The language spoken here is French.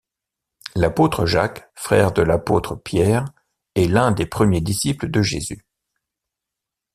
L'apôtre Jacques, frère de l'apôtre Pierre, est l'un des premiers disciples de Jésus.